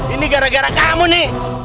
ini gara gara kamu nih